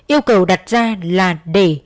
yêu cầu đặt ra là để